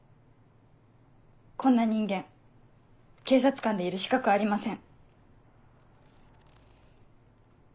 こんな人間警察官でいる資格ありません。